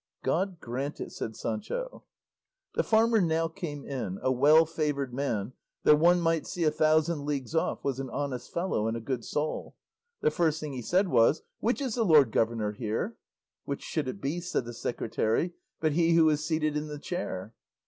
"God grant it," said Sancho. The farmer now came in, a well favoured man that one might see a thousand leagues off was an honest fellow and a good soul. The first thing he said was, "Which is the lord governor here?" "Which should it be," said the secretary, "but he who is seated in the chair?"